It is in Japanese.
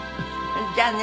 じゃあね。